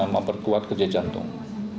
memperkuat kerja jantung